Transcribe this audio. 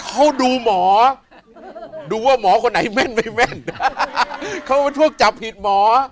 เขาดูหมอดูว่าหมอคนไหนแม่นไม่แม่นเขาเป็นพวกจับผิดหมอ